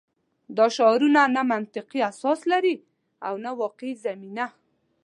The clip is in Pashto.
دا شعارونه نه منطقي اساس لري او نه واقعي زمینه